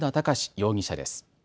容疑者です。